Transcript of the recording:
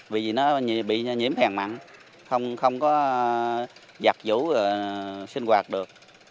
vì nó bị nhiễm phèn mặn không có giặt vũ sinh quạt được